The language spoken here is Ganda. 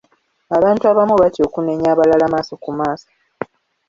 Abantu abamu batya okunenya abalala maaso ku maaso.